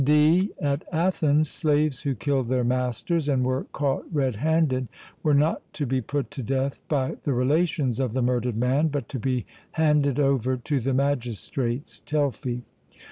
(d) At Athens slaves who killed their masters and were caught red handed, were not to be put to death by the relations of the murdered man, but to be handed over to the magistrates (Telfy).